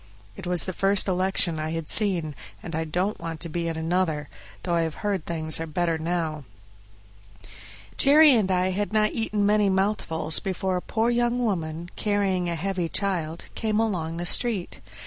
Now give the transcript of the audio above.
It was the first election I had seen, and I don't want to be in another, though I have heard things are better now. Jerry and I had not eaten many mouthfuls before a poor young woman, carrying a heavy child, came along the street.